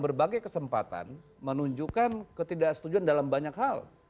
berbagai kesempatan menunjukkan ketidaksetujuan dalam banyak hal